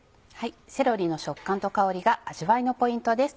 セロリの食感と香りが味わいのポイントです。